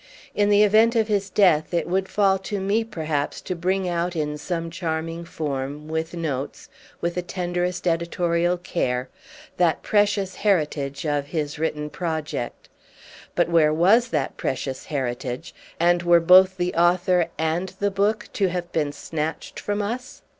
In the event of his death it would fall to me perhaps to bring out in some charming form, with notes, with the tenderest editorial care, that precious heritage of his written project. But where was that precious heritage and were both the author and the book to have been snatched from us?